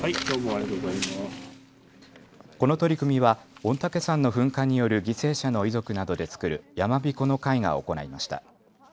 この取り組みは御嶽山の噴火による犠牲者の遺族などで作る山びこの会が行いました。